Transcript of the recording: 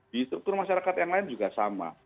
di struktur masyarakat yang lain juga sama